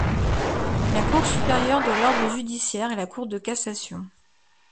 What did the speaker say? La Cour supérieure de l'ordre judiciaire est la Cour de cassation.